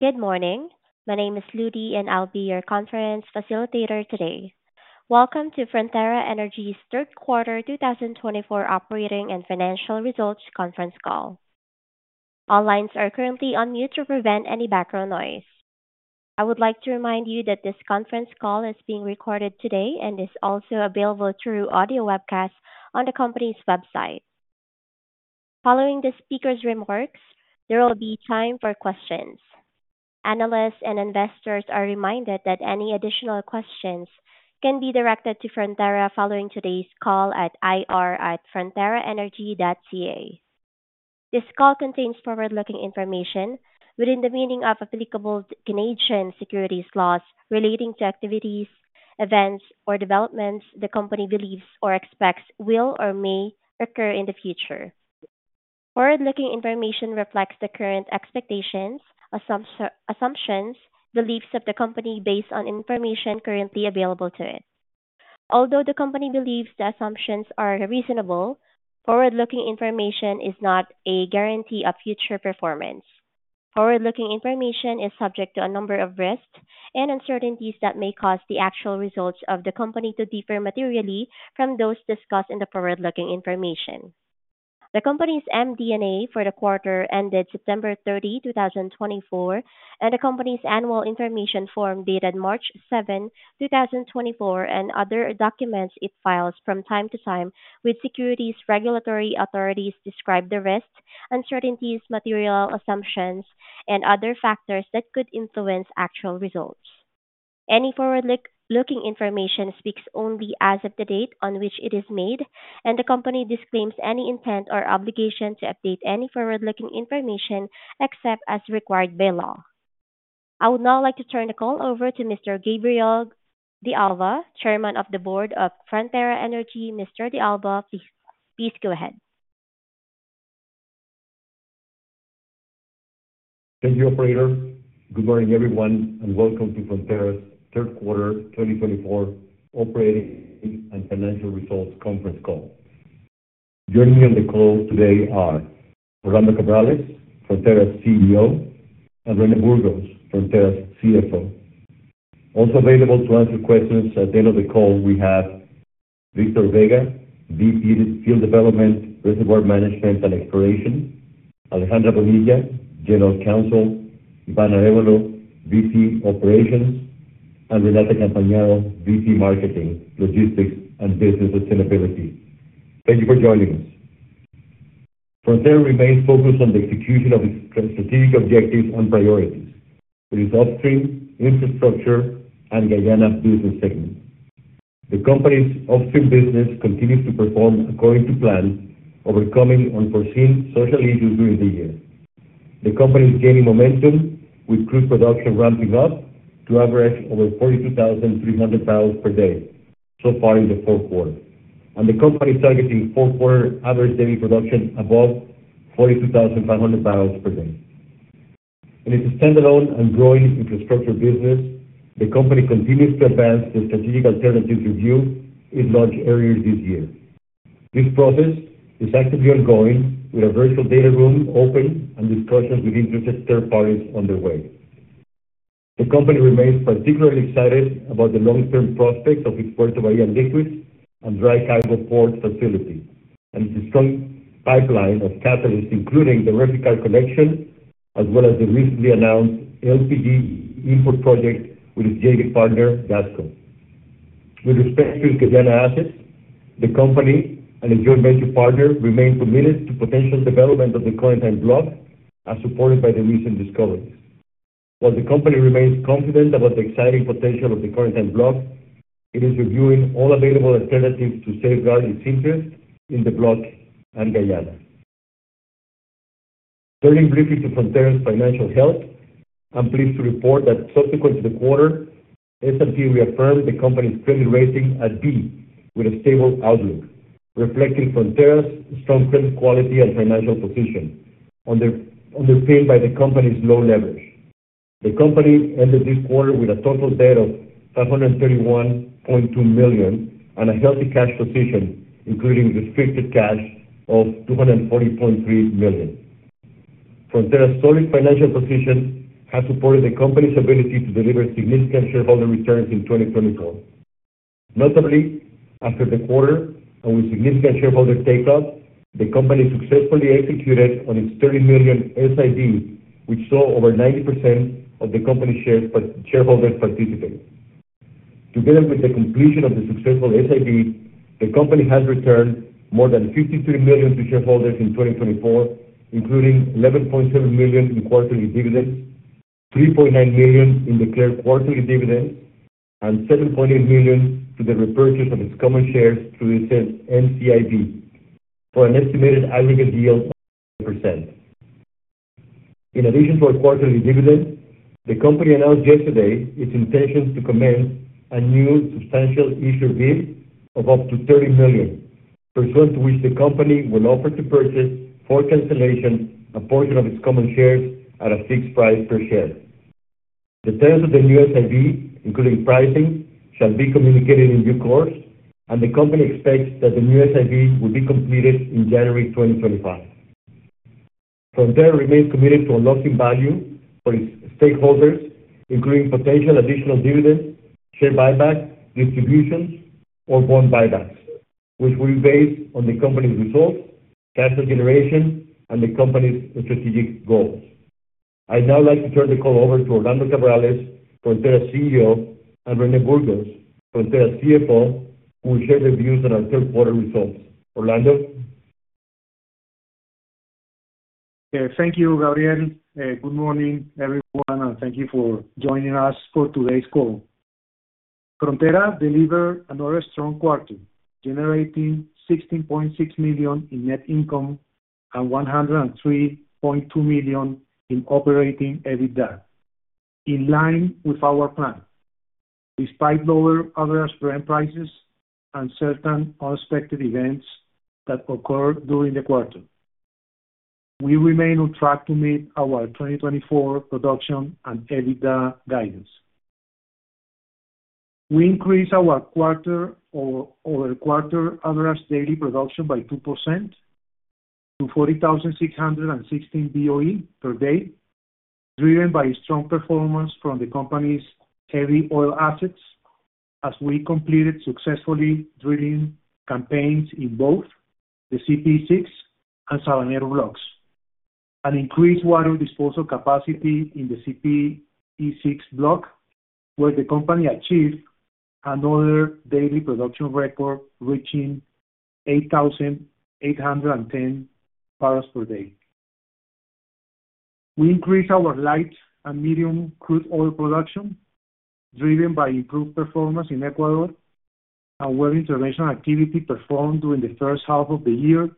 Good morning. My name is Ludi, and I'll be your conference facilitator today. Welcome to Frontera Energy's Q3 2024 Operating and Financial Results Conference Call. All lines are currently on mute to prevent any background noise. I would like to remind you that this conference call is being recorded today and is also available through audio webcast on the company's website. Following the speaker's remarks, there will be time for questions. Analysts and investors are reminded that any additional questions can be directed to Frontera following today's call at ir@fronteraenergy.ca. This call contains forward-looking information within the meaning of applicable Canadian securities laws relating to activities, events, or developments the company believes or expects will or may occur in the future. Forward-looking information reflects the current expectations, assumptions, and beliefs of the company based on information currently available to it. Although the company believes the assumptions are reasonable, forward-looking information is not a guarantee of future performance. Forward-looking information is subject to a number of risks and uncertainties that may cause the actual results of the company to differ materially from those discussed in the forward-looking information. The company's MD&A for the quarter ended September 30, 2024, and the company's annual information form dated March 7, 2024, and other documents it files from time to time with securities regulatory authorities describe the risks, uncertainties, material assumptions, and other factors that could influence actual results. Any forward-looking information speaks only as of the date on which it is made, and the company disclaims any intent or obligation to update any forward-looking information except as required by law. I would now like to turn the call over to Mr. Gabriel De Alba, Chairman of the Board of Frontera Energy. Mr. De Alba, please go ahead. Thank you, Operator. Good morning, everyone, and welcome to Frontera's Q3 2024 Operating and Financial Results Conference Call. Joining me on the call today are Orlando Cabrales, Frontera's CEO, and René Burgos, Frontera's CFO. Also available to answer questions at the end of the call, we have Victor Vega, VP Field Development, Reservoir Management and Exploration; Alejandra Bonilla, General Counsel; Ivan Arevalo, VP Operations; and Renata Campagnaro, VP Marketing, Logistics, and Business Sustainability. Thank you for joining us. Frontera remains focused on the execution of its strategic objectives and priorities, which is upstream infrastructure and Guyana business segment. The company's upstream business continues to perform according to plan, overcoming unforeseen social issues during the year. The company is gaining momentum, with crude production ramping up to average over 42,300 barrels per day so far in the Q4, and the company is targeting Q4 average daily production above 42,500 barrels per day. In its standalone and growing infrastructure business, the company continues to advance the strategic alternatives review it launched earlier this year. This process is actively ongoing, with a virtual data room open and discussions with interested third parties underway. The company remains particularly excited about the long-term prospects of its Puerto Bahía Liquid and Dry Cargo Port facility and its strong pipeline of catalysts, including the Reficar connection, as well as the recently announced LPG import project with its key partner, GASCO. With respect to its Guyana assets, the company and its joint venture partner remain committed to potential development of the Corentyne Block, as supported by the recent discoveries. While the company remains confident about the exciting potential of the Corentyne Block, it is reviewing all available alternatives to safeguard its interest in the block and Guyana. Turning briefly to Frontera's financial health, I'm pleased to report that subsequent to the quarter, S&P reaffirmed the company's credit rating at B, with a stable outlook, reflecting Frontera's strong credit quality and financial position, underpinned by the company's low leverage. The company ended this quarter with a total debt of $531.2 million and a healthy cash position, including restricted cash of $240.3 million. Frontera's solid financial position has supported the company's ability to deliver significant shareholder returns in 2024. Notably, after the quarter and with significant shareholder takeoff, the company successfully executed on its $30 million SIB, which saw over 90% of the company's shareholders participate. Together with the completion of the successful SIB, the company has returned more than $53 million to shareholders in 2024, including $11.7 million in quarterly dividends, $3.9 million in declared quarterly dividends, and $7.8 million to the repurchase of its common shares through the NCIB for an estimated aggregate yield of 10%. In addition to a quarterly dividend, the company announced yesterday its intention to commence a new substantial issuer bid of up to $30 million, pursuant to which the company will offer to purchase, for cancellation, a portion of its common shares at a fixed price per share. The terms of the new SIB, including pricing, shall be communicated in due course, and the company expects that the new SIB will be completed in January 2025. Frontera remains committed to unlocking value for its stakeholders, including potential additional dividends, share buyback, distributions, or bond buybacks, which will be based on the company's results, capital generation, and the company's strategic goals. I'd now like to turn the call over to Orlando Cabrales, Frontera CEO, and René Burgos, Frontera CFO, who will share their views on our Q3 results. Orlando. Thank you, Gabriel. Good morning, everyone, and thank you for joining us for today's call. Frontera delivered another strong quarter, generating $16.6 million in net income and $103.2 million in operating EBITDA, in line with our plan, despite lower average brand prices and certain unexpected events that occurred during the quarter. We remain on track to meet our 2024 production and EBITDA guidance. We increased our quarter-over-quarter average daily production by 2% to 40,616 BOE per day, driven by strong performance from the company's heavy oil assets, as we completed successfully drilling campaigns in both the CPE-6 and Sabanero blocks. An increased water disposal capacity in the CPE-6 block, where the company achieved another daily production record reaching 8,810 barrels per day. We increased our light and medium crude oil production, driven by improved performance in Ecuador and well-intervention activity performed during the first half of the year,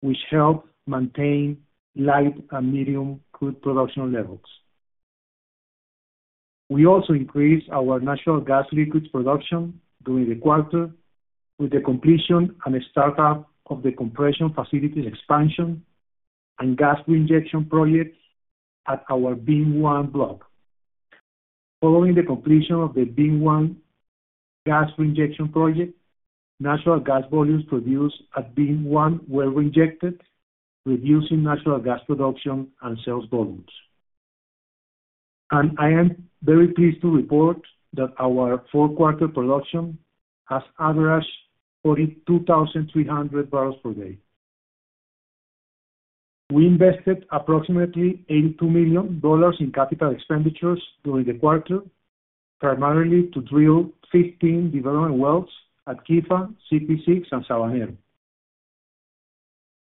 which helped maintain light and medium crude production levels. We also increased our natural gas liquids production during the quarter with the completion and startup of the compression facility expansion and gas reinjection projects at our VIM-1 Block. Following the completion of the VIM-1 gas reinjection project, natural gas volumes produced at VIM-1 were reinjected, reducing natural gas production and sales volumes. And I am very pleased to report that our Q4 production has averaged 42,300 barrels per day. We invested approximately $82 million in capital expenditures during the quarter, primarily to drill 15 development wells at Quifa, CPE-6, and Sabanero.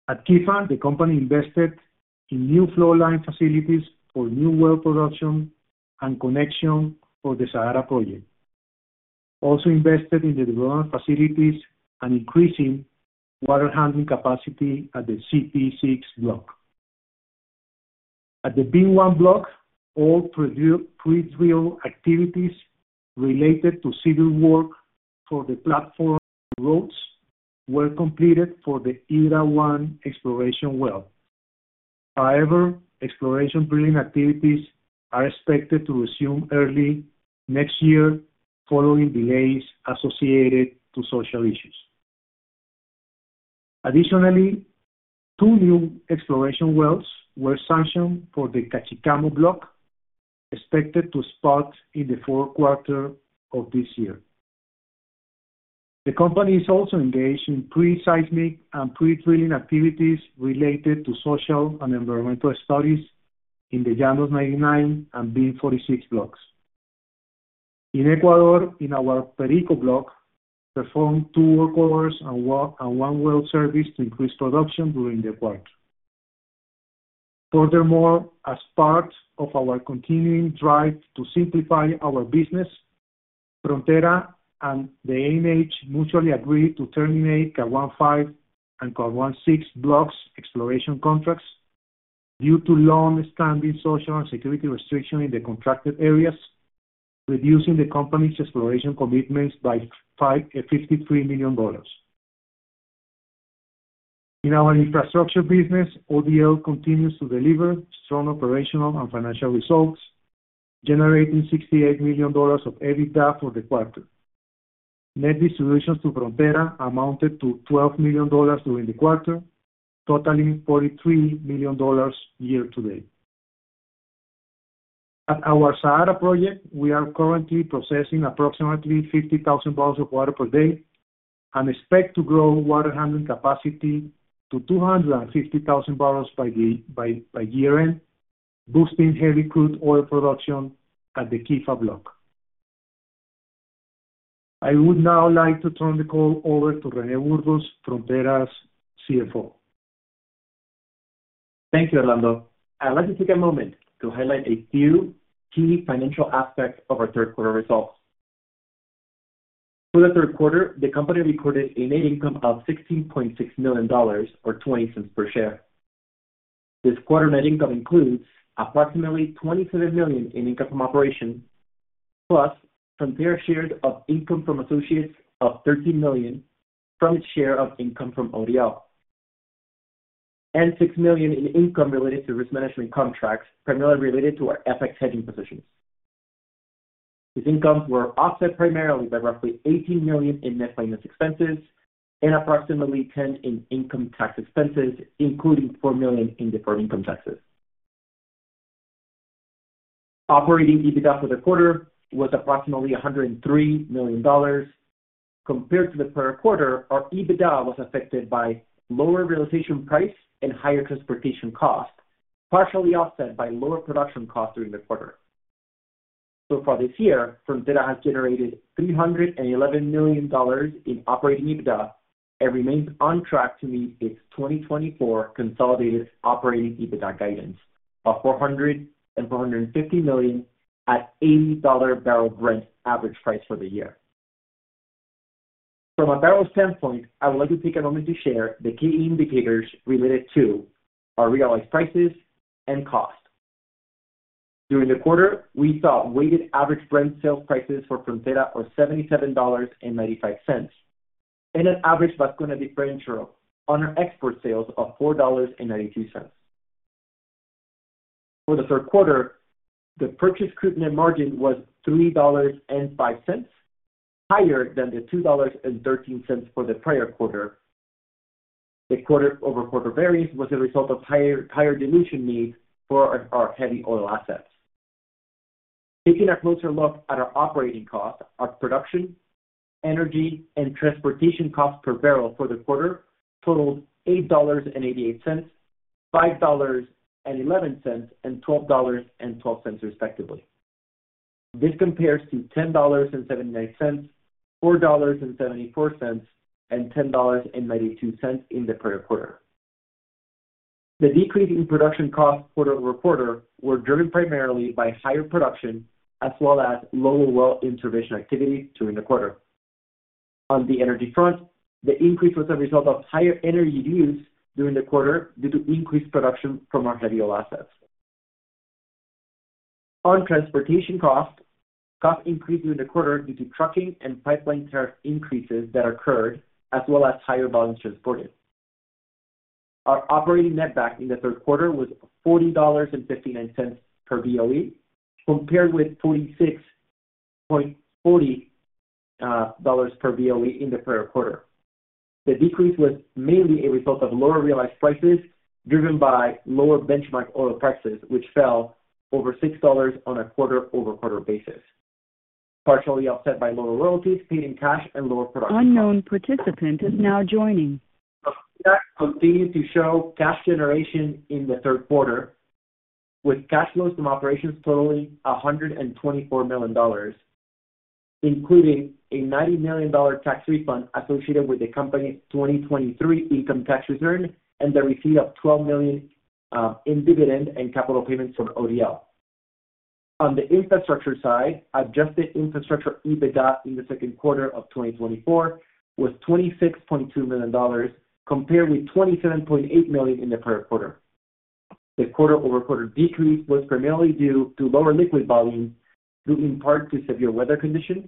At Quifa, the company invested in new flowline facilities for new well production and connection for the Sahara Project. Also invested in the development facilities and increasing water handling capacity at the CPE-6 block. At the VIM-1 block, all pre-drill activities related to civil work for the platform roads were completed for the IRA-1 exploration well. However, exploration drilling activities are expected to resume early next year following delays associated with social issues. Additionally, two new exploration wells were sanctioned for the Cachicamo block, expected to spark in the Q4 of this year. The company is also engaged in pre-seismic and pre-drilling activities related to social and environmental studies in the Llanos 99 and VIM-46 blocks. In Ecuador, in our Perico block, performed two work orders and one well service to increase production during the quarter. Furthermore, as part of our continuing drive to simplify our business, Frontera and the ANH mutually agreed to terminate COR-15 and COR-16 blocks' exploration contracts due to long-standing social and security restrictions in the contracted areas, reducing the company's exploration commitments by $53 million. In our infrastructure business, ODL continues to deliver strong operational and financial results, generating $68 million of EBITDA for the quarter. Net distributions to Frontera amounted to $12 million during the quarter, totaling $43 million year-to-date. At our Sahara Project, we are currently processing approximately 50,000 barrels of water per day and expect to grow water handling capacity to 250,000 barrels by year-end, boosting heavy crude oil production at the Quifa Block. I would now like to turn the call over to René Burgos, Frontera's CFO. Thank you, Orlando. I'd like to take a moment to highlight a few key financial aspects of our Q3 results. For the Q3, the company recorded a net income of $16.6 million, or $0.20 per share. This quarter net income includes approximately $27 million in income from operations, plus Frontera's shares of income from associates of $13 million from its share of income from ODL, and $6 million in income related to risk management contracts, primarily related to our FX hedging positions. These incomes were offset primarily by roughly $18 million in net finance expenses and approximately $10 million in income tax expenses, including $4 million in deferred income taxes. Operating EBITDA for the quarter was approximately $103 million. Compared to the prior quarter, our EBITDA was affected by lower realization price and higher transportation cost, partially offset by lower production costs during the quarter. So far this year, Frontera has generated $311 million in operating EBITDA and remains on track to meet its 2024 consolidated operating EBITDA guidance of $400 and 450 million at $80 barrel Brent average price for the year. From a barrel standpoint, I would like to take a moment to share the key indicators related to our realized prices and costs. During the quarter, we saw weighted average Brent sales prices for Frontera of $77.95 and an average Vasconia differential on our export sales of $4.92. For the Q3, the purchase crude net margin was $3.05, higher than the $2.13 for the prior quarter. The quarter-over-quarter variance was the result of higher dilution needs for our heavy oil assets. Taking a closer look at our operating costs, our production, energy, and transportation costs per barrel for the quarter totaled $8.88, $5.11, and $12.12, respectively. This compares to $10.79, $4.74, and $10.92 in the prior quarter. The decrease in production costs quarter-over-quarter was driven primarily by higher production as well as lower well intervention activities during the quarter. On the energy front, the increase was a result of higher energy use during the quarter due to increased production from our heavy oil assets. On transportation costs, costs increased during the quarter due to trucking and pipeline tariff increases that occurred, as well as higher volumes transported. Our operating net back in the Q3 was $40.59 per BOE, compared with $46.40 per BOE in the prior quarter. The decrease was mainly a result of lower realized prices driven by lower benchmark oil prices, which fell over $6 on a quarter-over-quarter basis, partially offset by lower royalties paid in cash and lower production costs. Unknown participant is now joining. The feedback continued to show cash generation in the Q3, with cash flows from operations totaling $124 million, including a $90 million tax refund associated with the company's 2023 income tax return and the receipt of $12 million in dividend and capital payments from ODL. On the infrastructure side, adjusted infrastructure EBITDA in the Q2 of 2024 was $26.2 million, compared with $27.8 million in the prior quarter. The quarter-over-quarter decrease was primarily due to lower liquid volumes, due in part to severe weather conditions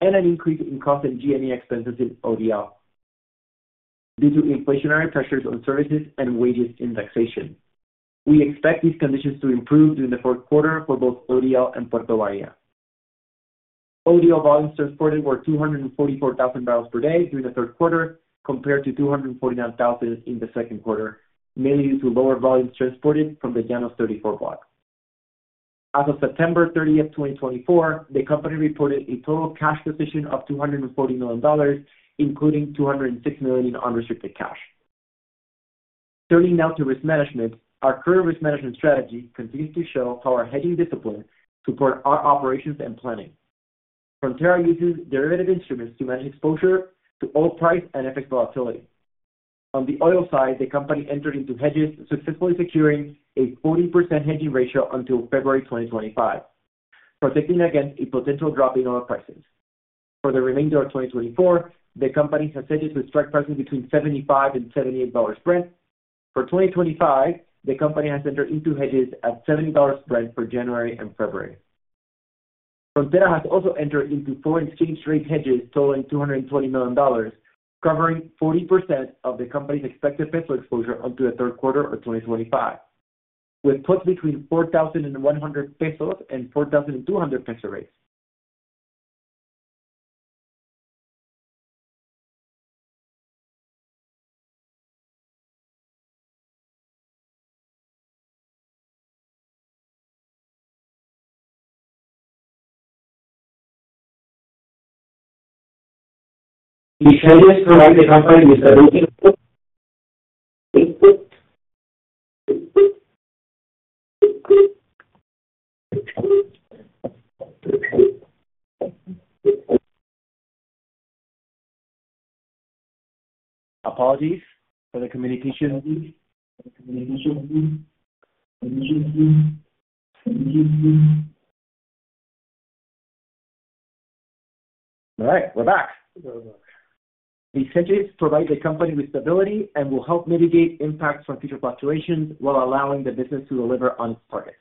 and an increase in cost and G&A expenses in ODL due to inflationary pressures on services and wages and taxation. We expect these conditions to improve during the Q4 for both ODL and Puerto Bahía. ODL volumes transported were 244,000 barrels per day during the Q3, compared to 249,000 in the Q2, mainly due to lower volumes transported from the Llanos 34 block. As of September 30th, 2024, the company reported a total cash position of $240 million, including $206 million in unrestricted cash. Turning now to risk management, our current risk management strategy continues to show how our hedging discipline supports our operations and planning. Frontera uses derivative instruments to manage exposure to all price and FX volatility. On the oil side, the company entered into hedges, successfully securing a 40% hedging ratio until February 2025, protecting against a potential drop in oil prices. For the remainder of 2024, the company has hedged with strike prices between $75 and $78 Brent. For 2025, the company has entered into hedges at $70 Brent for January and February. Frontera has also entered into foreign exchange rate hedges totaling $220 million, covering 40% of the company's expected peso exposure until the Q3 of 2025, with puts between 4,100 pesos and 4,200 peso rates. The hedges provide the company with a hedge. All right, we're back. These hedges provide the company with stability and will help mitigate impacts from future fluctuations while allowing the business to deliver on its targets.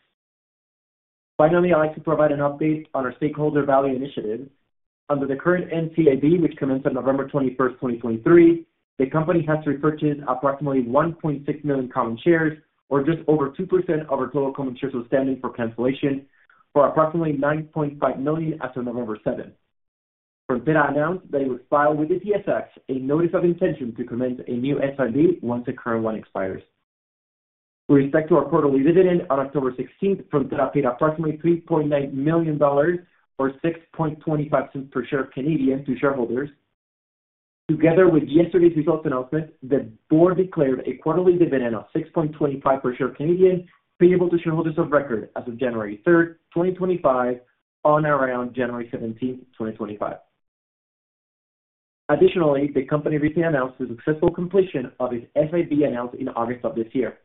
Finally, I'd like to provide an update on our stakeholder value initiative. Under the current NCIB, which commenced on November 21st, 2023, the company has repurchased approximately 1.6 million common shares, or just over 2% of our total common shares outstanding for cancellation, for approximately $9.5 million as of November 7th. Frontera announced that it would file with the TSX a notice of intention to commence a new SIB once the current one expires. With respect to our quarterly dividend, on October 16th, Frontera paid approximately $3.9 million, or 0.0625 per share, to shareholders. Together with yesterday's results announcement, the board declared a quarterly dividend of 6.25 per share payable to shareholders of record as of January 3rd, 2025, on or around January 17th 2025. Additionally, the company recently announced the successful completion of its SIB announced in August of this year.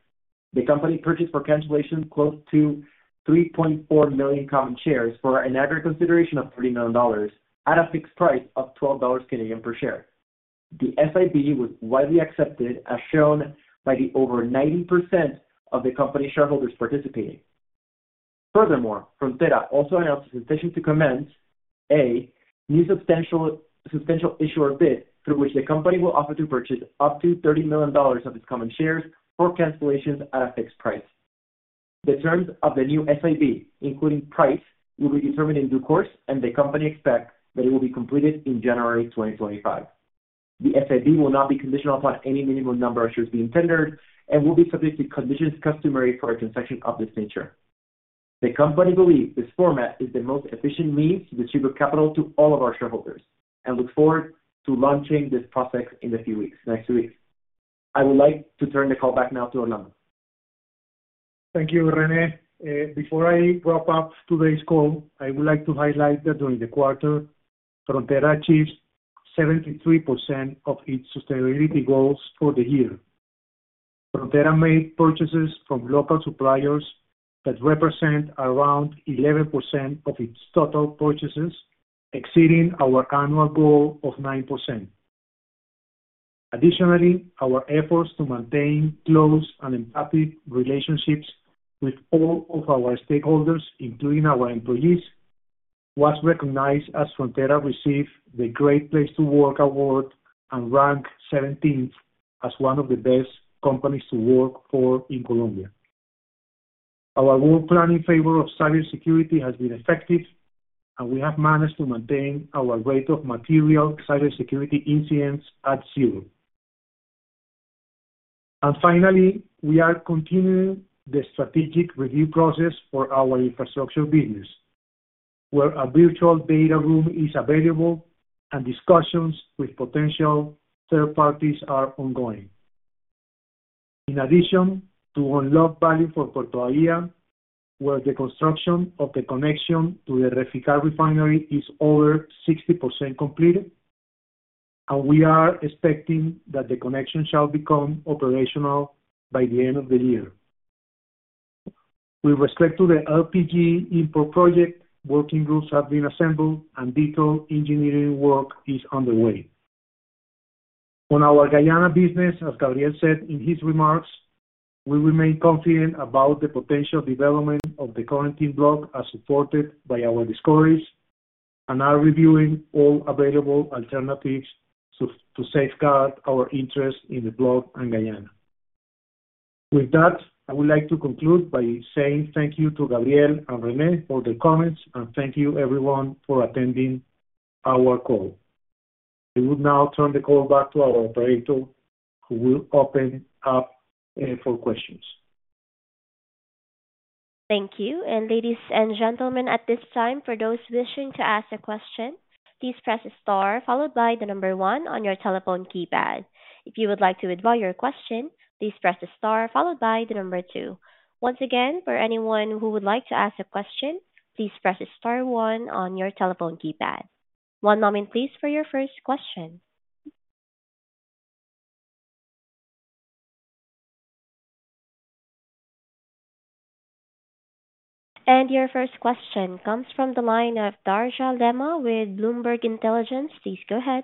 The company purchased for cancellation close to 3.4 million common shares for an aggregate consideration of 30 million dollars at a fixed price of 12 Canadian dollars per share. The SIB was widely accepted, as shown by over 90% of the company's shareholders participating. Furthermore, Frontera also announced its intention to commence a new substantial issuer bid through which the company will offer to purchase up to 30 million dollars of its common shares for cancellations at a fixed price. The terms of the new SIB, including price, will be determined in due course, and the company expects that it will be completed in January 2025. The SIB will not be conditional upon any minimum number of shares being tendered and will be subject to conditions customary for a transaction of this nature. The company believes this format is the most efficient means to distribute capital to all of our shareholders and looks forward to launching this process in the next few weeks. I would like to turn the call back now to Orlando. Thank you, René. Before I wrap up today's call, I would like to highlight that during the quarter, Frontera achieved 73% of its sustainability goals for the year. Frontera made purchases from local suppliers that represent around 11% of its total purchases, exceeding our annual goal of 9%. Additionally, our efforts to maintain close and empathetic relationships with all of our stakeholders, including our employees, were recognized as Frontera received the Great Place to Work award and ranked 17th as one of the best companies to work for in Colombia. Our work plan in favor of cybersecurity has been effective, and we have managed to maintain our rate of material cybersecurity incidents at zero. And finally, we are continuing the strategic review process for our infrastructure business, where a virtual data room is available and discussions with potential third parties are ongoing. In addition to unlocked value for Puerto Bahía, where the construction of the connection to the Reficar refinery is over 60% completed, and we are expecting that the connection shall become operational by the end of the year. With respect to the LPG import project, working groups have been assembled, and detailed engineering work is underway. On our Guyana business, as Gabriel said in his remarks, we remain confident about the potential development of the Corentyne Block as supported by our discoveries and are reviewing all available alternatives to safeguard our interest in the block and Guyana. With that, I would like to conclude by saying thank you to Gabriel and René for their comments, and thank you everyone for attending our call. I would now turn the call back to our operator, who will open up for questions. Thank you. And ladies and gentlemen, at this time, for those wishing to ask a question, please press star followed by the number one on your telephone keypad. If you would like to invoke your question, please press star followed by the number two. Once again, for anyone who would like to ask a question, please press star one on your telephone keypad. One moment, please, for your first question. And your first question comes from the line of Darja Lema with Bloomberg Intelligence. Please go ahead.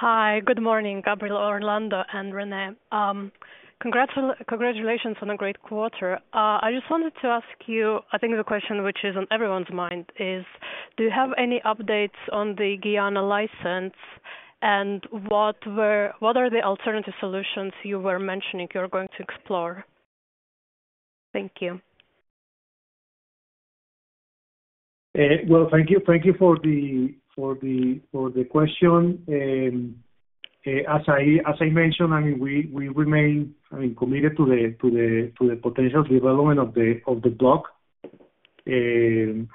Hi, good morning, Gabriel, Orlando, and René. Congratulations on a great quarter. I just wanted to ask you, I think the question which is on everyone's mind is, do you have any updates on the Guyana license and what are the alternative solutions you were mentioning you're going to explore? Thank you. Thank you for the question. As I mentioned, I mean, we remain committed to the potential development of the block, and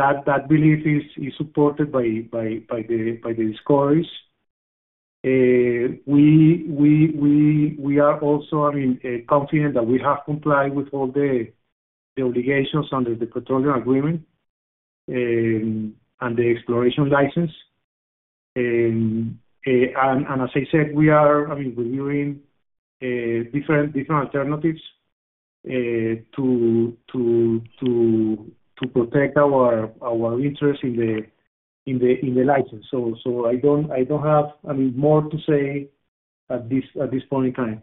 that belief is supported by the discoveries. We are also confident that we have complied with all the obligations under the petroleum agreement and the exploration license. As I said, we are reviewing different alternatives to protect our interests in the license. I don't have more to say at this point in time.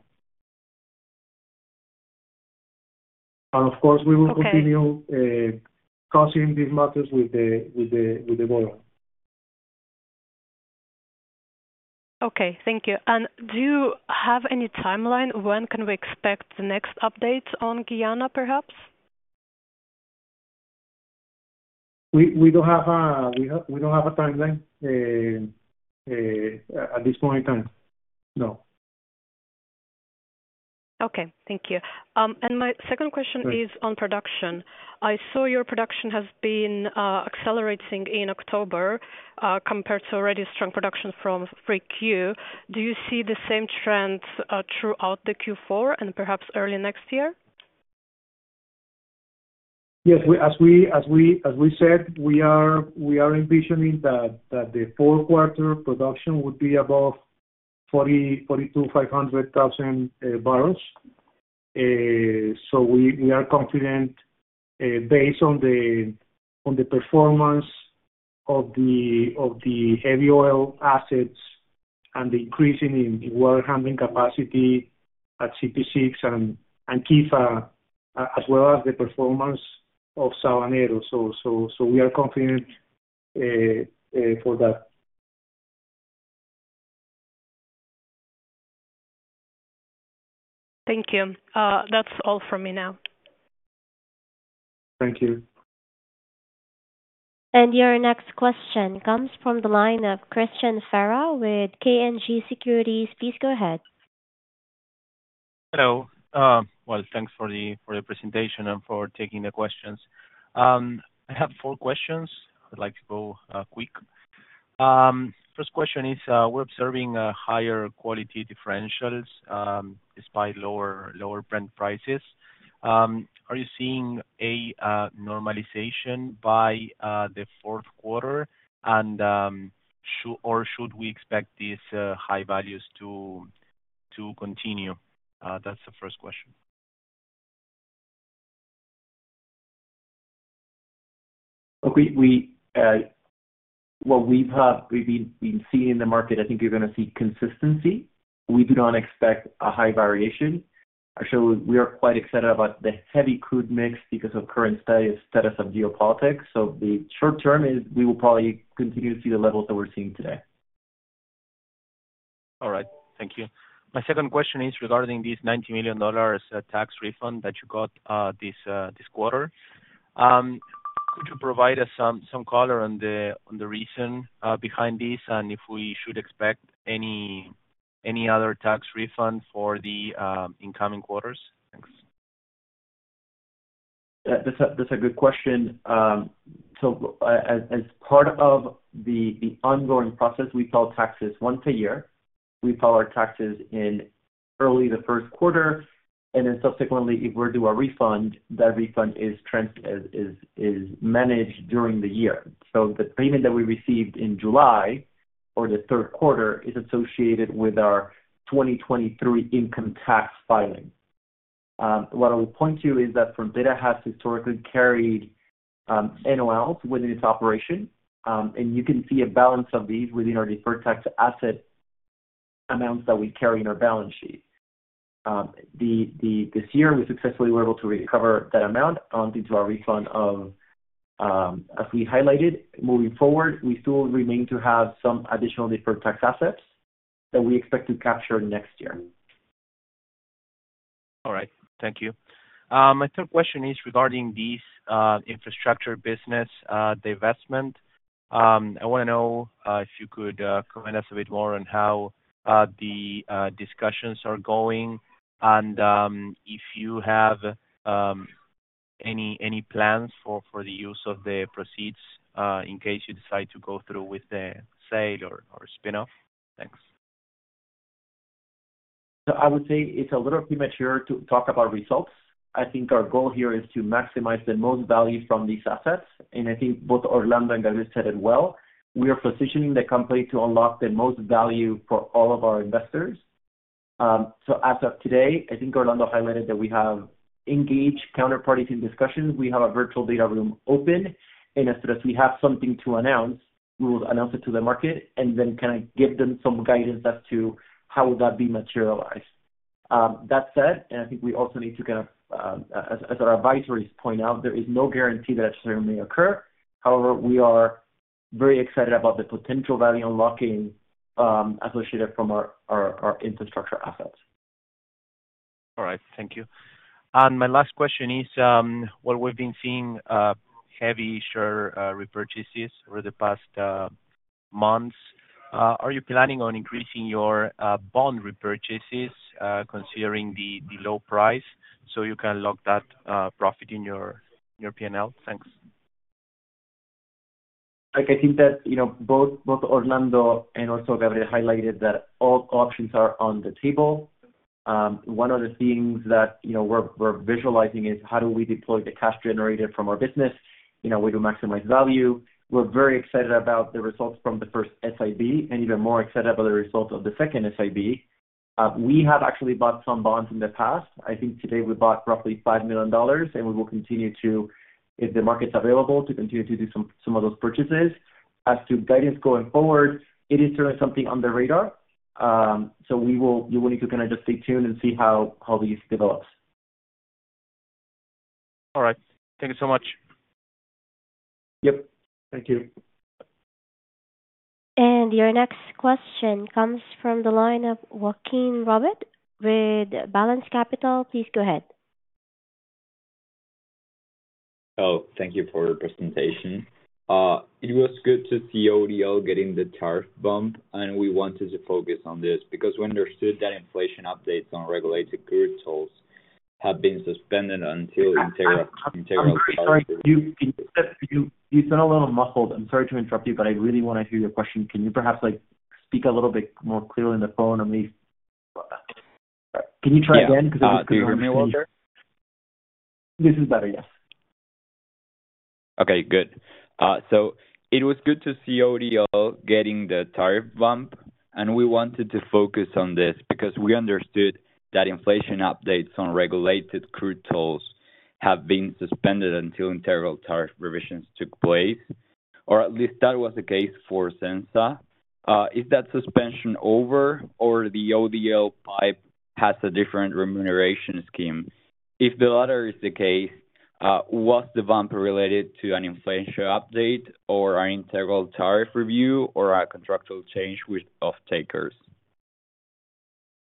Of course, we will continue consulting these matters with the board. Okay, thank you. And do you have any timeline? When can we expect the next updates on Guyana, perhaps? We don't have a timeline at this point in time. No. Okay, thank you. And my second question is on production. I saw your production has been accelerating in October compared to already strong production from Q3. Do you see the same trends throughout the Q4 and perhaps early next year? Yes, as we said, we are envisioning that the Q4 production would be above 42.5 million barrels. So we are confident, based on the performance of the heavy oil assets and the increase in water handling capacity at CPE-6 and Quifa, as well as the performance of Sabanero. So we are confident for that. Thank you. That's all from me now. Thank you. And your next question comes from the line of Cristian Fera with KNG Securities. Please go ahead. Hello. Well, thanks for the presentation and for taking the questions. I have four questions. I'd like to go quick. First question is, we're observing higher quality differentials despite lower Brent prices. Are you seeing a normalization by the Q4, or should we expect these high values to continue? That's the first question. What we've been seeing in the market, I think you're going to see consistency. We do not expect a high variation. Actually, we are quite excited about the heavy crude mix because of current status of geopolitics. So the short term is we will probably continue to see the levels that we're seeing today. All right, thank you. My second question is regarding this $90 million tax refund that you got this quarter. Could you provide us some color on the reason behind this and if we should expect any other tax refund for the incoming quarters? Thanks. That's a good question. So as part of the ongoing process, we file taxes once a year. We file our taxes in early the first quarter, and then subsequently, if we do a refund, that refund is managed during the year. So the payment that we received in July or the Q3 is associated with our 2023 income tax filing. What I will point to is that Frontera has historically carried NOLs within its operation, and you can see a balance of these within our deferred tax asset amounts that we carry in our balance sheet. This year, we successfully were able to recover that amount onto our refund of, as we highlighted. Moving forward, we still remain to have some additional deferred tax assets that we expect to capture next year. All right, thank you. My third question is regarding this infrastructure business divestment. I want to know if you could comment a bit more on how the discussions are going and if you have any plans for the use of the proceeds in case you decide to go through with the sale or spin-off. Thanks. So I would say it's a little premature to talk about results. I think our goal here is to maximize the most value from these assets. And I think both Orlando and Gabriel said it well. We are positioning the company to unlock the most value for all of our investors. So as of today, I think Orlando highlighted that we have engaged counterparties in discussions. We have a virtual data room open, and as soon as we have something to announce, we will announce it to the market and then kind of give them some guidance as to how that would be materialized. That said, and I think we also need to kind of, as our advisories point out, there is no guarantee that a churn may occur. However, we are very excited about the potential value unlocking associated from our infrastructure assets. All right, thank you. And my last question is, while we've been seeing heavy share repurchases over the past months, are you planning on increasing your bond repurchases considering the low price so you can lock that profit in your P&L? Thanks. I think that both Orlando and also Gabriel highlighted that all options are on the table. One of the things that we're visualizing is how do we deploy the cash generated from our business? We do maximize value. We're very excited about the results from the first SIB and even more excited about the results of the second SIB. We have actually bought some bonds in the past. I think today we bought roughly $5 million, and we will continue to, if the market's available, to continue to do some of those purchases. As to guidance going forward, it is certainly something on the radar, so we will need to kind of just stay tuned and see how this develops. All right. Thank you so much. Yep. Thank you. Your next question comes from the line of Joaquin Robet with Balanz Capital. Please go ahead. Hello. Thank you for your presentation. It was good to see ODL getting the tariff bump, and we wanted to focus on this because we understood that inflation updates on regulated goods tolls have been suspended until Integral Tariff Review. Sorry, you sound a little muffled. I'm sorry to interrupt you, but I really want to hear your question. Can you perhaps speak a little bit more clearly on the phone? Can you try again? Can you hear me a little better? This is better, yes. Okay, good. So it was good to see ODL getting the tariff bump, and we wanted to focus on this because we understood that inflation updates on regulated crude tolls have been suspended until interim tariff revisions took place, or at least that was the case for Ocensa. Is that suspension over, or the ODL pipe has a different remuneration scheme? If the latter is the case, was the bump related to an inflation update or an interim tariff review or a contractual change with off-takers?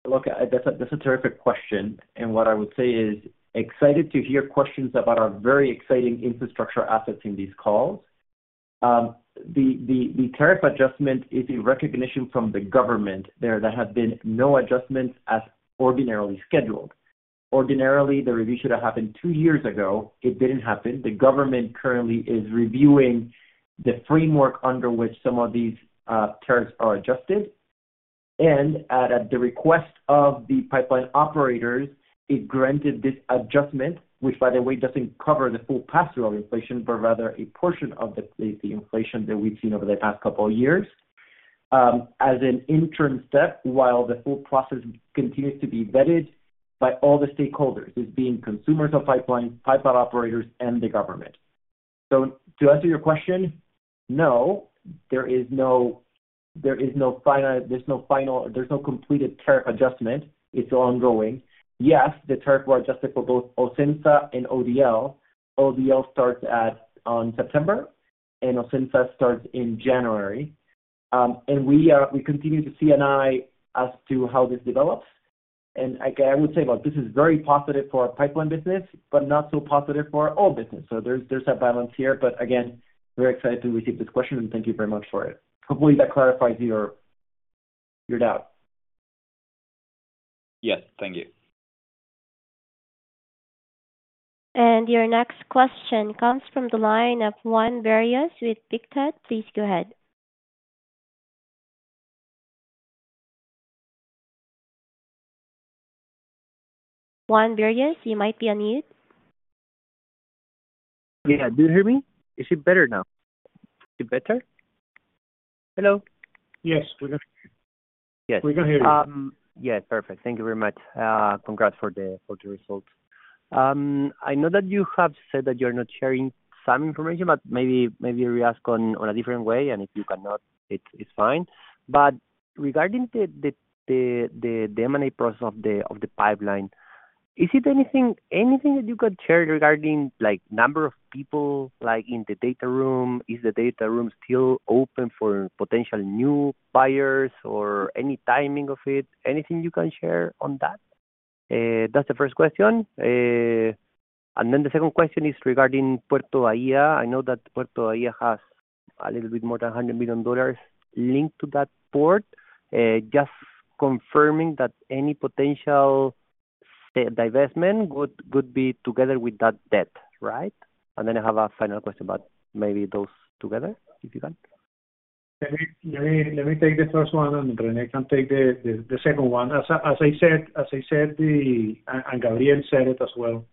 Look, that's a terrific question, and what I would say is excited to hear questions about our very exciting infrastructure assets in these calls. The tariff adjustment is a recognition from the government there that there have been no adjustments as ordinarily scheduled. Ordinarily, the review should have happened two years ago. It didn't happen. The government currently is reviewing the framework under which some of these tariffs are adjusted, and at the request of the pipeline operators, it granted this adjustment, which, by the way, doesn't cover the full pass-through of inflation, but rather a portion of the inflation that we've seen over the past couple of years as an interim step while the full process continues to be vetted by all the stakeholders, this being consumers of pipeline, pipeline operators, and the government. To answer your question, no, there is no completed tariff adjustment. It's ongoing. Yes, the tariffs were adjusted for both Ocensa and ODL. ODL starts on September, and Ocensa starts in January. And we continue to keep an eye as to how this develops. And I would say, look, this is very positive for our pipeline business, but not so positive for our own business. So there's a balance here. But again, we're excited to receive this question, and thank you very much for it. Hopefully, that clarifies your doubt. Yes, thank you. Your next question comes from the line of Juan Berrios with Pictet. Please go ahead. Juan Berrios, you might be on mute. Yeah, do you hear me? Is it better now? Is it better? Hello? Yes, we can. Yes. We can hear you. Yes, perfect. Thank you very much. Congrats for the results. I know that you have said that you're not sharing some information, but maybe we ask on a different way, and if you cannot, it's fine, but regarding the M&A process of the pipeline, is it anything that you can share regarding number of people in the data room? Is the data room still open for potential new buyers or any timing of it? Anything you can share on that? That's the first question, and then the second question is regarding Puerto Bahía. I know that Puerto Bahía has a little bit more than $100 million linked to that port. Just confirming that any potential divestment would be together with that debt, right, and then I have a final question about maybe those together, if you can. Let me take the first one, and then I can take the second one. As I said, and Gabriel said it as well,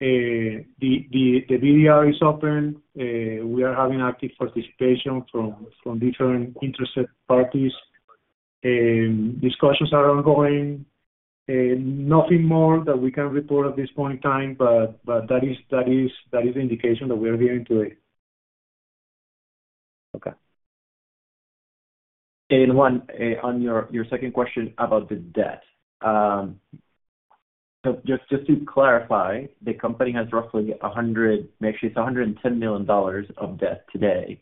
the BDR is open. We are having active participation from different interested parties. Discussions are ongoing. Nothing more that we can report at this point in time, but that is the indication that we are hearing today. Okay. And Juan, on your second question about the debt, so just to clarify, the company has roughly $110 million of debt today.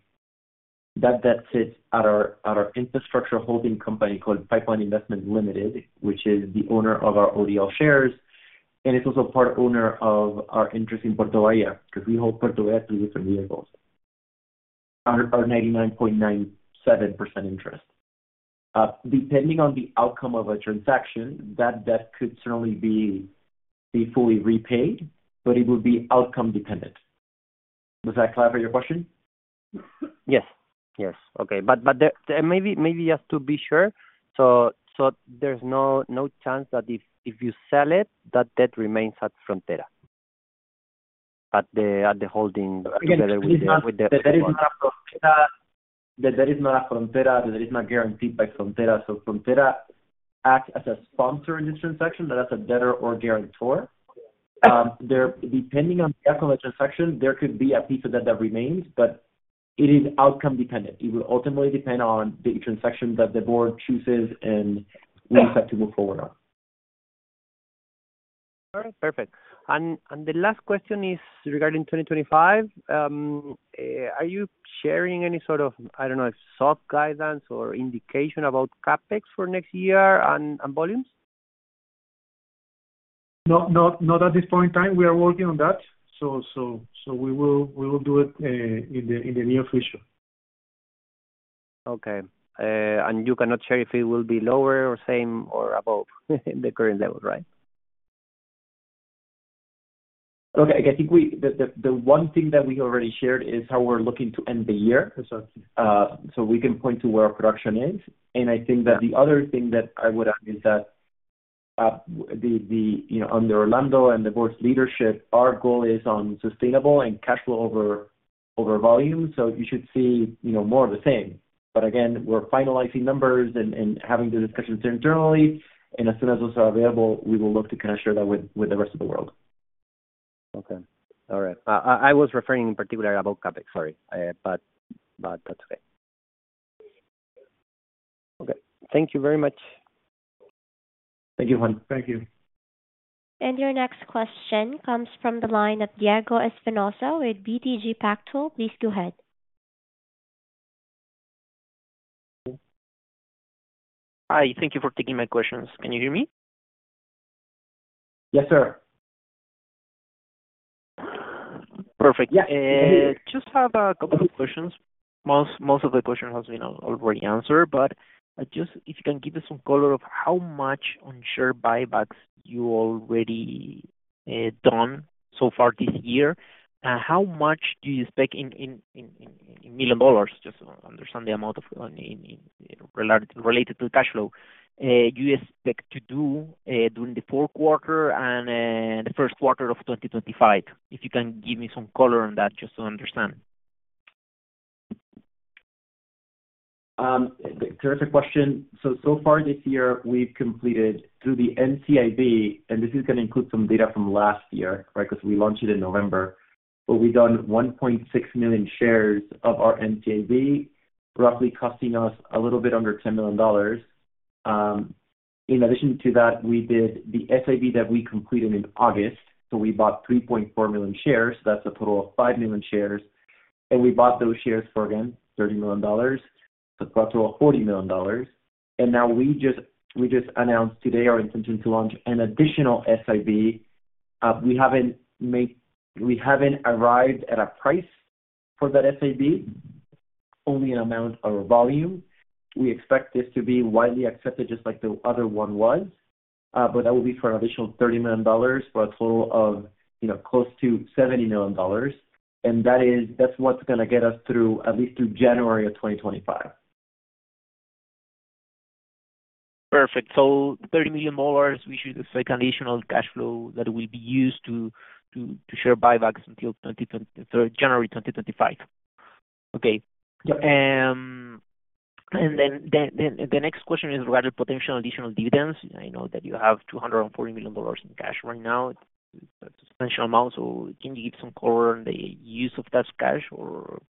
That debt sits at our infrastructure holding company called Pipeline Investment Limited, which is the owner of our ODL shares. And it's also part owner of our interest in Puerto Bahía because we hold Puerto Bahía through different vehicles. Our 99.97% interest. Depending on the outcome of a transaction, that debt could certainly be fully repaid, but it would be outcome dependent. Does that clarify your question? Yes. Yes. Okay. But maybe just to be sure, so there's no chance that if you sell it, that debt remains at Frontera at the holding together with the. Again, that is not a Frontera. That is not a Frontera. That is not guaranteed by Frontera. So Frontera acts as a sponsor in this transaction, but that's a debtor or guarantor. Depending on the outcome of the transaction, there could be a piece of debt that remains, but it is outcome dependent. It will ultimately depend on the transaction that the board chooses and we decide to move forward on. All right. Perfect. And the last question is regarding 2025. Are you sharing any sort of, I don't know, soft guidance or indication about CapEx for next year and volumes? Not at this point in time. We are working on that so we will do it in the near future. Okay. And you cannot share if it will be lower or same or above the current level, right? Okay. I think the one thing that we already shared is how we're looking to end the year so we can point to where our production is. And I think that the other thing that I would add is that under Orlando and the board's leadership, our goal is on sustainable and cash flow over volume. So you should see more of the same. But again, we're finalizing numbers and having the discussions internally. And as soon as those are available, we will look to kind of share that with the rest of the world. Okay. All right. I was referring in particular about CapEx, sorry, but that's okay. Okay. Thank you very much. Thank you, Juan. Thank you. And your next question comes from the line of Diego Espinoza with BTG Pactual. Please go ahead. Hi. Thank you for taking my questions. Can you hear me? Yes, sir. Perfect. Yeah. Just have a couple of questions. Most of the questions have been already answered, but just if you can give us some color of how much on share buybacks you already done so far this year, how much do you expect in million dollars, just to understand the amount related to cash flow, you expect to do during the Q4 and the first quarter of 2025? If you can give me some color on that just to understand? Terrific question. So far this year, we've completed through the NCIB, and this is going to include some data from last year, right, because we launched it in November, but we've done 1.6 million shares of our NCIB, roughly costing us a little bit under $10 million. In addition to that, we did the SIB that we completed in August, so we bought 3.4 million shares. That's a total of five million shares, and we bought those shares for, again, $30 million, so a total of $40 million, and now we just announced today our intention to launch an additional SIB. We haven't arrived at a price for that SIB, only an amount or a volume. We expect this to be widely accepted just like the other one was, but that will be for an additional $30 million for a total of close to $70 million. And that's what's going to get us through at least January of 2025. Perfect. So $30 million, we should expect additional cash flow that will be used to share buybacks until January 2025. Okay. And then the next question is regarding potential additional dividends. I know that you have $240 million in cash right now. It's a substantial amount. So can you give some color on the use of that cash or?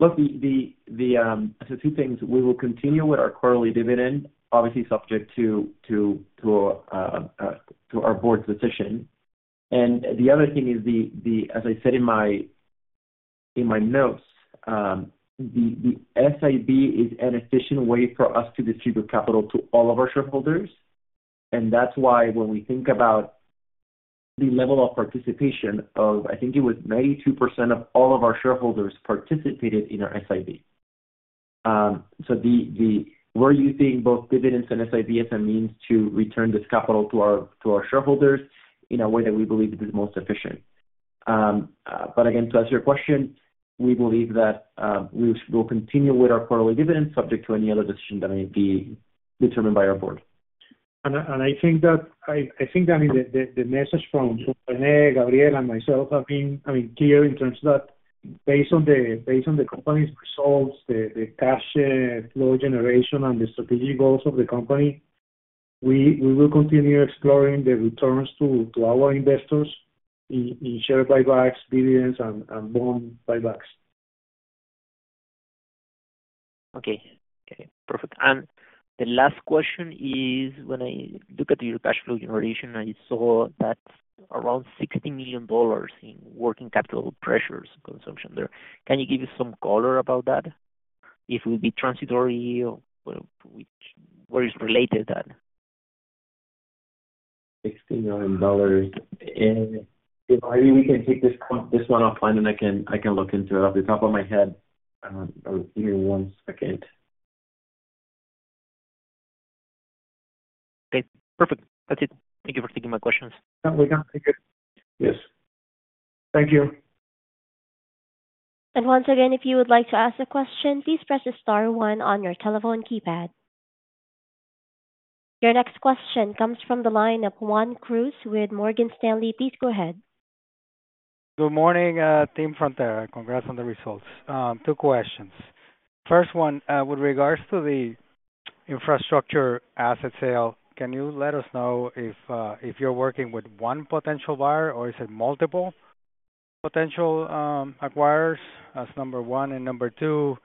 Look, so two things. We will continue with our quarterly dividend, obviously subject to our board's decision. And the other thing is, as I said in my notes, the SIB is an efficient way for us to distribute capital to all of our shareholders. And that's why when we think about the level of participation of, I think it was 92% of all of our shareholders participated in our SIB. So we're using both dividends and SIB as a means to return this capital to our shareholders in a way that we believe is most efficient. But again, to answer your question, we believe that we will continue with our quarterly dividends, subject to any other decision that may be determined by our board. I think that I mean, the message from René, Gabriel, and myself have been. I mean, clear in terms that based on the company's results, the cash flow generation, and the strategic goals of the company, we will continue exploring the returns to our investors in share buybacks, dividends, and bond buybacks. Okay. Perfect. And the last question is, when I look at your cash flow generation, I saw that around $60 million in working capital pressures consumption there. Can you give you some color about that? If it would be transitory, where is related that? $60 million. I mean, we can take this one offline, and I can look into it off the top of my head. Give me one second. Okay. Perfect. That's it. Thank you for taking my questions. No, we can take it. Yes. Thank you. And once again, if you would like to ask a question, please press the star one on your telephone keypad. Your next question comes from the line of Juan Cruz with Morgan Stanley. Please go ahead. Good morning, Team Frontera. Congrats on the results. Two questions. First one, with regards to the infrastructure asset sale, can you let us know if you're working with one potential buyer or is it multiple potential acquirers as number one? And number two,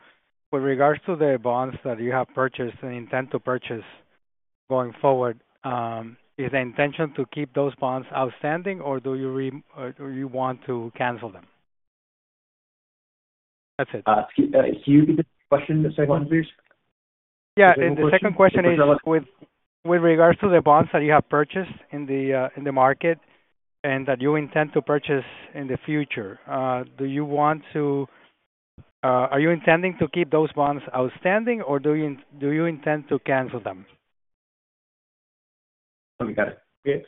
with regards to the bonds that you have purchased and intend to purchase going forward, is the intention to keep those bonds outstanding, or do you want to cancel them? That's it. Can you repeat the question, the second one, please? Yeah. The second question is with regards to the bonds that you have purchased in the market and that you intend to purchase in the future. Are you intending to keep those bonds outstanding, or do you intend to cancel them? Okay.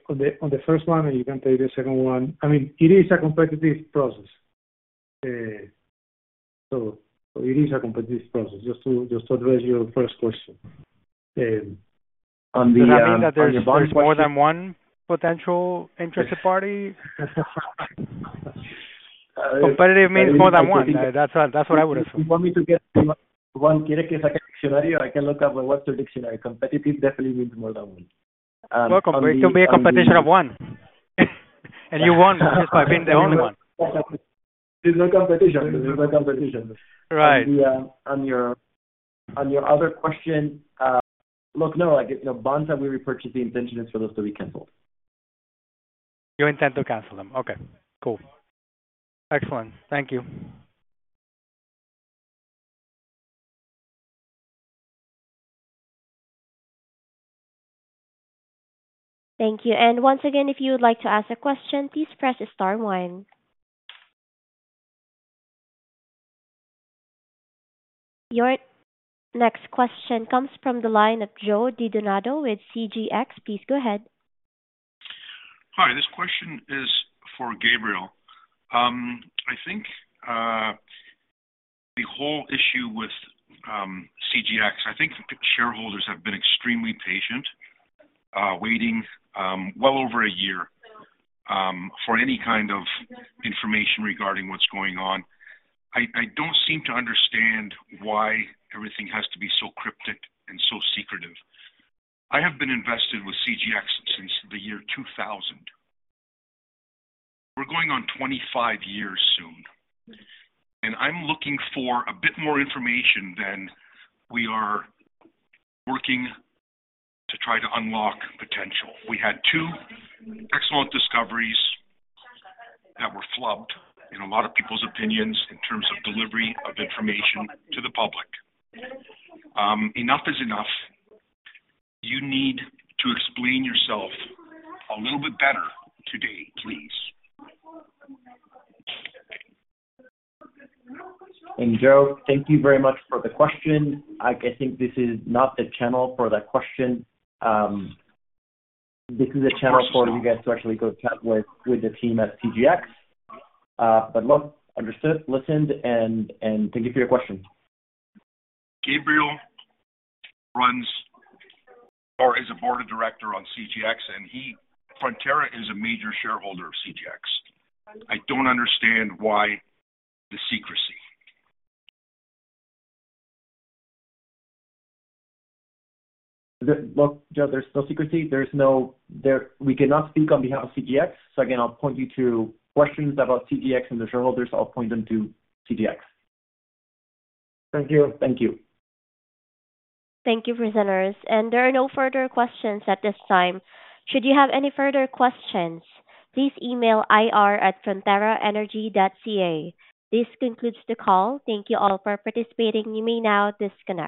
On the first one, and you can take the second one. I mean, it is a competitive process. So it is a competitive process just to address your first question. On the. Does that mean that there's more than one potential interested party? Competitive means more than one. That's what I would assume. If you want me to get Juan if there I can see a dictionary, I can look up what's the dictionary. Competitive definitely means more than one. It could be a competition of one. You won by being the only one. This is no competition. This is no competition. Right. On your other question, look, no. Bonds that we repurchase, the intention is for those to be canceled. You intend to cancel them. Okay. Cool. Excellent. Thank you. Thank you. And once again, if you would like to ask a question, please press star one. Your next question comes from the line of Joe Di Donado with CGX. Please go ahead. Hi. This question is for Gabriel. I think the whole issue with CGX. I think shareholders have been extremely patient, waiting well over a year for any kind of information regarding what's going on. I don't seem to understand why everything has to be so cryptic and so secretive. I have been invested with CGX since the year 2000. We're going on 25 years soon. And I'm looking for a bit more information than we are working to try to unlock potential. We had two excellent discoveries that were flubbed in a lot of people's opinions in terms of delivery of information to the public. Enough is enough. You need to explain yourself a little bit better today, please. Joe, thank you very much for the question. I think this is not the channel for that question. This is a channel for you guys to actually go chat with the team at CGX. But look, understood, listened, and thank you for your question. Gabriel runs or is a board of director on CGX, and Frontera is a major shareholder of CGX. I don't understand why the secrecy. Look, Joe, there's no secrecy. We cannot speak on behalf of CGX. So again, I'll point you to questions about CGX and the shareholders. I'll point them to CGX. Thank you. Thank you. Thank you, presenters, and there are no further questions at this time. Should you have any further questions, please email ir@fronteraenergy.ca. This concludes the call. Thank you all for participating. You may now disconnect.